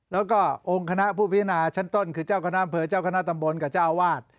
แล้วก็องค์คณะผู้พิจารณาชั้นต้นคือเจ้าคณะอำเภอเจ้าคณะตำบลกับเจ้าอาวาส